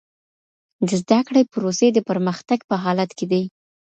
د زده کړي پروسې د پرمختګ په حالت کې دي.